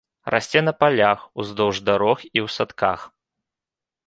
Расце на палях, уздоўж дарог і ў садках.